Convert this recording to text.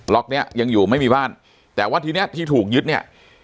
็อกเนี้ยยังอยู่ไม่มีบ้านแต่ว่าทีเนี้ยที่ถูกยึดเนี่ย